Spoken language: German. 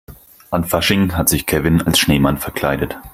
An Fasching hat sich Kevin als Schneemann verkleidet.